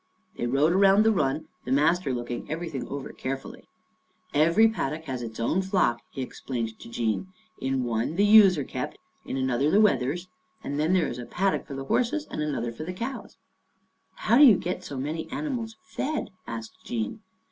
They rode around the run, the master looking everything over care fully. " Every paddock has its own flock," he ex plained to Jean. " In one the ewes are kept, in another the wethers, and then there is a paddock for the horses and another for the cows." " How do you get so many animals fed," asked Jean.